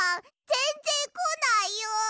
ぜんぜんこないよ！